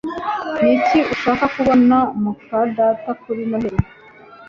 Niki ushaka kubona muka data kuri Noheri?